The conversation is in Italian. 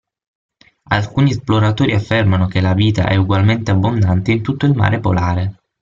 Alcuni esploratori affermano che la vita è ugualmente abbondante in tutto il mare polare.